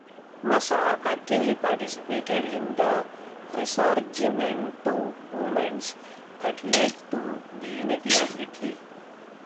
Massa actively participated in the Risorgimento movements that led to the unity of Italy.